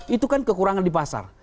itu kan kekurangan di pasar